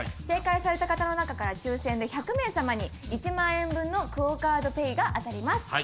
正解された方の中から抽選で１００名さまに１万円分のＱＵＯカードＰａｙが当たります。